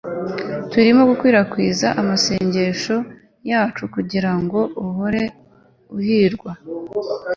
turimo gukwirakwiza amasengesho yacu kugirango uhore uhirwa